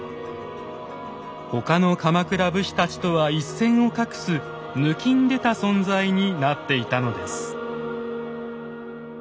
他の鎌倉武士たちとは一線を画すぬきんでた存在になっていたのです。